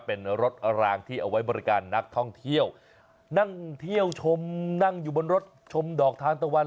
เป็นรถรางที่เอาไว้บริการนักท่องเที่ยวนั่งเที่ยวชมนั่งอยู่บนรถชมดอกทานตะวัน